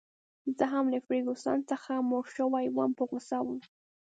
زه هم له فرګوسن څخه موړ شوی وم، په غوسه وم.